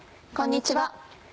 こんにちは。